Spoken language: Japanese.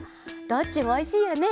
どっちもおいしいよね。